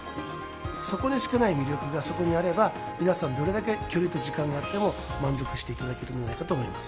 そこでしかない魅力がそこにあれば、皆さん、どれだけ距離と時間があっても、満足していただけるんじゃないかと思います。